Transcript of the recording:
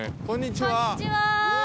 こんにちは。